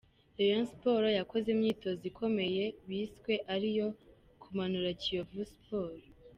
Rayon Sports yakoze imyitozo ikomeye biswe ari iyo kumanura Kiyovu sports.